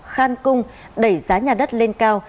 khan cung đẩy giá nhà đất lên cao